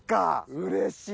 うれしい。